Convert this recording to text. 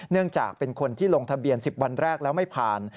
เนื่องจากเป็นคนที่ลงทะเบียน๑๐วันแรกแล้วไม่ผ่าน